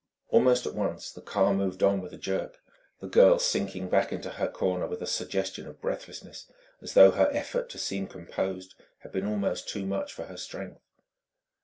Almost at once the car moved on with a jerk, the girl sinking back into her corner with a suggestion of breathlessness, as though her effort to seem composed had been almost too much for her strength.